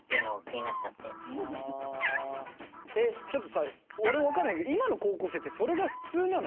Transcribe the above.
ちょっとさ俺分かんないけど今の高校生ってそれが普通なの？